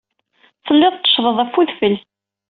Telliḍ tetteccgeḍ ɣef wedfel.